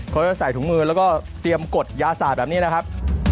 เขาจะใส่ถุงมือแล้วก็เตรียมกดยาศาสตร์แบบนี้นะครับ